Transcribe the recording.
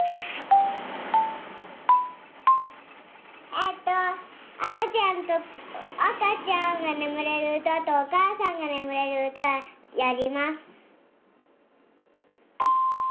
えっとあかちゃんとあかちゃんがねむれるうたとおかあさんがねむれるうたやります。